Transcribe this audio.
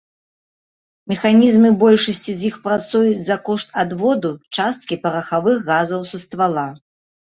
Механізмы большасці з іх працуюць за кошт адводу часткі парахавых газаў са ствала.